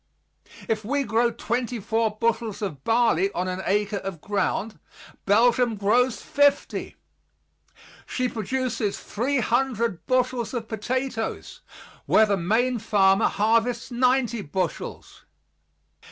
If we grow twenty four bushels of barley on an acre of ground, Belgium grows fifty; she produces 300 bushels of potatoes, where the Maine farmer harvests 90 bushels.